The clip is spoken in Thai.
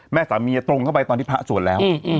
สามีตรงเข้าไปตอนที่พระสวดแล้ว